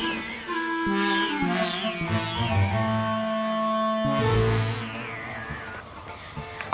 tidak ada apa apa